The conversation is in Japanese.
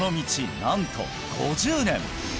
なんと５０年！